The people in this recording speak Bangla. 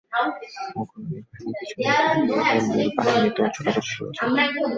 অগ্রগামী বাহিনী পেছনে পালিয়ে এলে মূল বাহিনীতেও ছোটাছুটি শুরু হয়ে যায়।